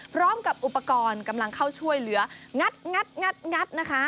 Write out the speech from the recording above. พร้อมกับอุปกรณ์กำลังเข้าช่วยเหลืองัดนะคะ